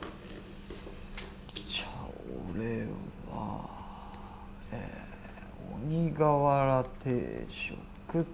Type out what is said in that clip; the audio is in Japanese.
じゃあ俺はえ鬼瓦定食と。